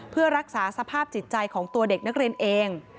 เพื่อรักษาสภาพจิตใจของตัวเด็กนักเรียนเอง